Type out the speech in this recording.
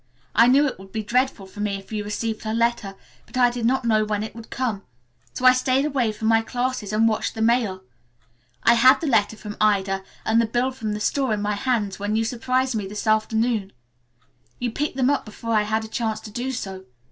I knew it would be dreadful for me if you received her letter, but I did not know when it would come, so I stayed away from my classes and watched the mail. I had the letter from Ida and the bill from the store in my hands when you surprised me this afternoon. You picked them up before I had a chance to do so.